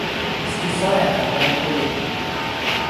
Scrisoarea ta de la colegiu.